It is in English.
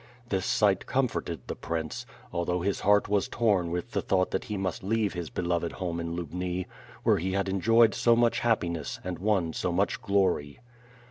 This sight comforted the prince, although his heart was torn with the thought that he must leave his beloved home in Lubni, where he had enjoyed so much happiness and won so much glory.